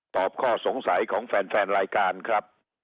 ข้อสงสัยของแฟนรายการครับ